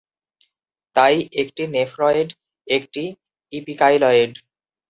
তাই একটি নেফ্রয়েড একটি ইপিকাইলয়েড।